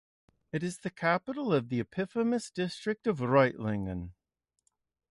It is the capital of the eponymous district of Reutlingen.